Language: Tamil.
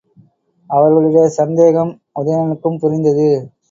அவர்களுடைய சந்தேகம் உதயணனுக்கும் புரிந்தது.